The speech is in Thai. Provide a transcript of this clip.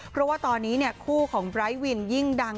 เพราะว่าตอนนี้คู่ของไร้วินยิ่งดัง